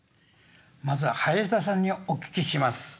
まずは林田さんにお聞きします。